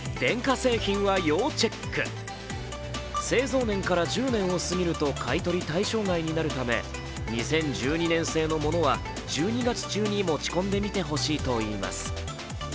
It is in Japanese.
製造年から１０年を過ぎると買い取り対象外になるため２０１２年製のものは１２月中に持ち込んでみてほしいと言います。